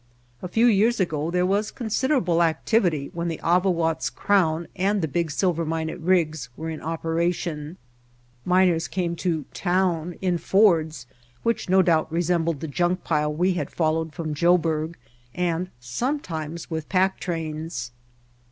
A few years ago there was considerable activity when the Avawatz Crown and the big silver mine at Riggs were in opera tion. Miners came to "town" in Fords which White Heart of Mojave no doubt resembled the junk pile we had fol lowed from Joburg, and sometimes with pack trains.